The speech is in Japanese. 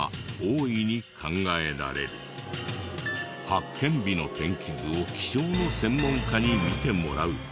発見日の天気図を気象の専門家に見てもらうと。